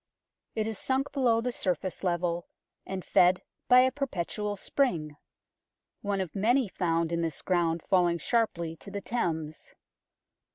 It is sunk below the surface level, and fed by a perpetual spring one of many found in this ground falling sharply to the Thames.